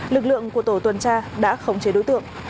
lực lượng của tổ tuần tra đã khống chế đối tượng